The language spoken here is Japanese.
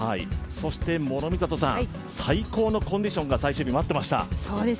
そして最高のコンディションが最終日待っていました。